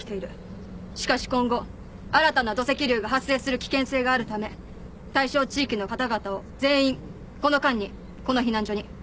しかし今後新たな土石流が発生する危険性があるため対象地域の方々を全員この間にこの避難所に。